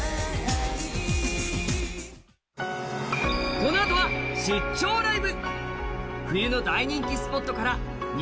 このあとは「出張ライブ！」。